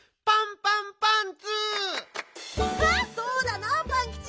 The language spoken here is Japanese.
パンパンパンツー！